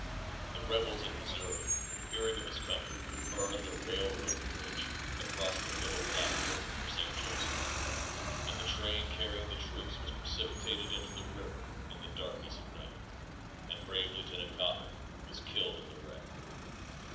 The rebels in Missouri, hearing of his coming, burned the railroad bridge across the Little Platte river near St. Joseph, and the train carrying the troops was precipitated into the river in the darkness of night and brave Lieutenant Coppock was killed in the wreck."